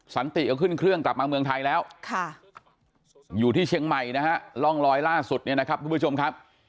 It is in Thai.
สันติก็ขึ้นเครื่องกลับมาเมืองไทยแล้วอยู่ที่เชียงใหม่นะฮะร่องรอยล่าสุดเนี่ยนะครับทุกผู้ชมครับ